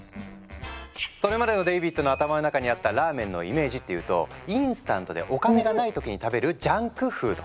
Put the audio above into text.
それまでのデイビッドの頭の中にあったラーメンのイメージっていうとインスタントでお金がない時に食べるジャンクフード。